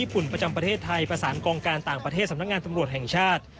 ประเทศไทยภาษาครองการต่างประเทศสำนักงานตำรวจแห่งชาติ